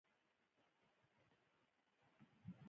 پانګوال د دې اضافي ارزښت مالک دی